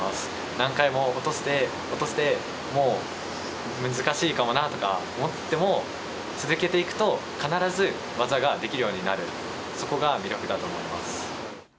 何回も落として落として、もう難しいかもなとか思っても、続けていくと必ず技ができるようになる、そこが魅力だと思います。